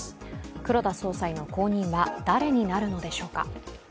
黒田総裁の後任は誰になるのでしょうか。